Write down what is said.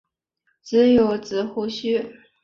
宁有子胡虔。